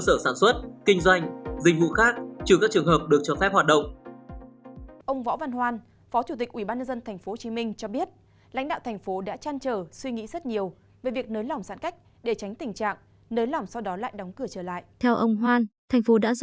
cơ sở khám chữa bệnh được hoạt động từ ngày một tháng một mươi